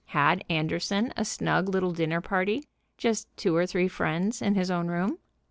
Had Anderson a snug little dinner party, just two or three friends, in his own room?